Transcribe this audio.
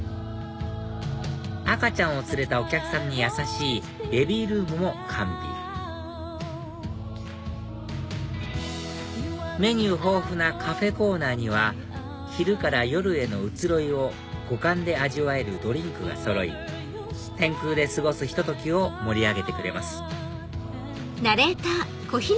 赤ちゃんを連れたお客さんに優しいベビールームも完備メニュー豊富なカフェコーナーには昼から夜への移ろいを五感で味わえるドリンクがそろい天空で過ごすひと時を盛り上げてくれます